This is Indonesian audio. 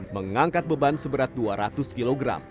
mengangkat beban seberat dua ratus kg